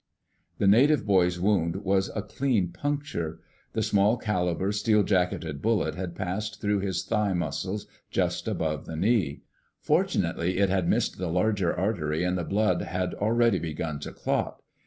The native boy's wound was a clean puncture. The small caliber, steel jacketed bullet had passed through his thigh muscles just above the knee. Fortunately it had missed the larger artery and the blood had already begun to clot.